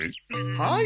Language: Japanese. はい。